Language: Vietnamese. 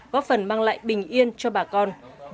góp phần mang lại bình yên cho bà con và cộng đồng